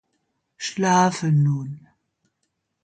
Schlafe nun!